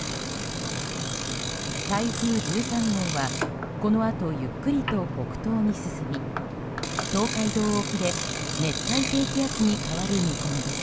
台風１３号はこのあとゆっくりと北東に進み東海道沖で熱帯低気圧に変わる見込みです。